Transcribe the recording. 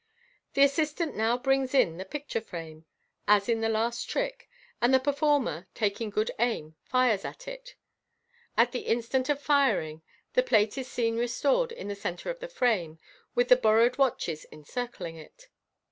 The assistant now brings in the picture frame, as in the last trick, and the performer, taking good aim, fires at it. At the instant of firing, the plate is seen restored in the centre of the frame, with the borrowed watches encircling it.